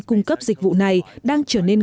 cung cấp dịch vụ này đang trở nên